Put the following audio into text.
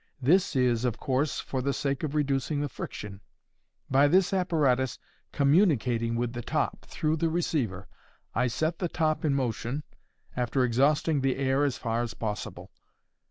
This is, of course, for the sake of reducing the friction. By this apparatus communicating with the top, through the receiver, I set the top in motion—after exhausting the air as far as possible.